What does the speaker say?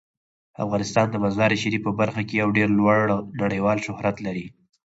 افغانستان د مزارشریف په برخه کې یو ډیر لوړ نړیوال شهرت لري.